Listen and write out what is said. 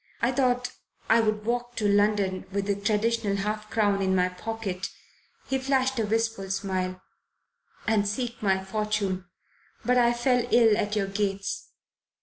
I thought I would walk to London, with the traditional half crown in my pocket" he flashed a wistful smile "and seek my fortune. But I fell ill at your gates."